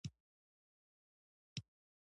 زراعت د افغانستان د تکنالوژۍ پرمختګ سره تړاو لري.